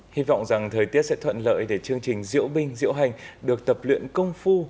hy vọng rằng thời tiết sẽ thuận lợi để chương trình diễu binh diễu hành được tập luyện công phu